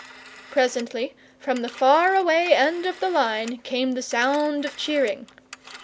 Presently from the far away end of the line came the sound of cheering.